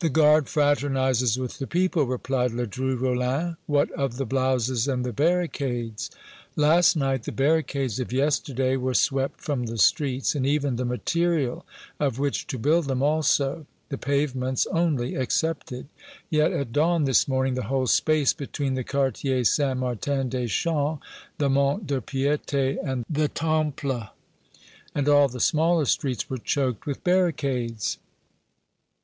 "The Guard fraternizes with the people," replied Ledru Rollin. "What of the blouses and the barricades?" "Last night, the barricades of yesterday were swept from the streets, and even the material of which to build them also, the pavements only excepted; yet, at dawn this morning, the whole space between the Quartier Saint Martin des Champs, the Mont de Piété and the Temple, and all the smaller streets were choked with barricades."